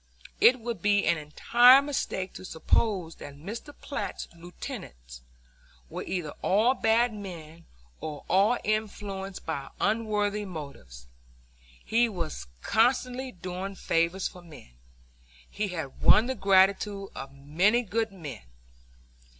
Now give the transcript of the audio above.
It would be an entire mistake to suppose that Mr. Platt's lieutenants were either all bad men or all influenced by unworthy motives. He was constantly doing favors for men. He had won the gratitude of many good men.